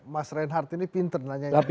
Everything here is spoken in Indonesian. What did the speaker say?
mas reinhardt ini pinter nanya ini